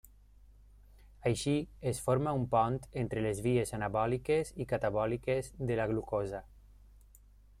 Així, es forma un pont entre les vies anabòliques i catabòliques de la glucosa.